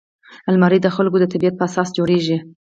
الماري د خلکو د طبعیت په اساس جوړیږي